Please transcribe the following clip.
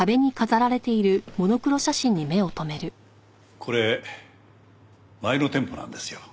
これ前の店舗なんですよ。